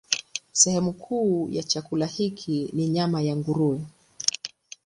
Sehemu kuu ya chakula hiki ni nyama ya nguruwe.